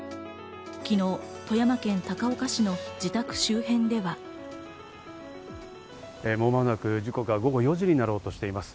昨日、富山県高岡市の自宅周辺では。間もなく時刻は午後４時になろうとしています。